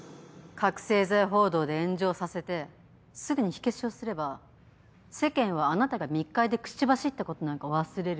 覚せい剤報道で炎上させてすぐに火消しをすれば世間はあなたが密会で口走ったことなんか忘れる。